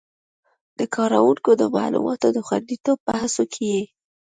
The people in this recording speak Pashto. د کاروونکو د معلوماتو د خوندیتوب په هڅو کې یې